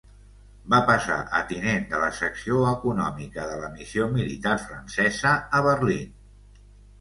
Va passar a tinent de la secció econòmica de la missió militar francesa a Berlín.